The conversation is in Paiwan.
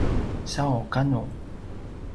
sau kanu